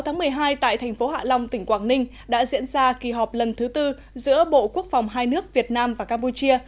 ngày một mươi hai tại thành phố hạ long tỉnh quảng ninh đã diễn ra kỳ họp lần thứ tư giữa bộ quốc phòng hai nước việt nam và campuchia